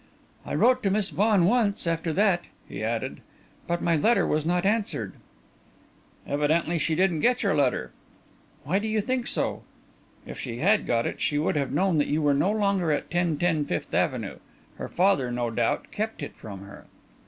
"I wrote to Miss Vaughan once, after that," he added, "but my letter was not answered." "Evidently she didn't get your letter." "Why do you think so?" "If she had got it, she would have known that you were no longer at 1010 Fifth Avenue. Her father, no doubt, kept it from her."